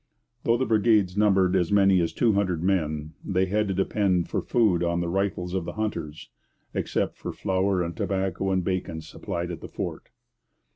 Though the brigades numbered as many as two hundred men, they had to depend for food on the rifles of the hunters, except for flour and tobacco and bacon supplied at the fort.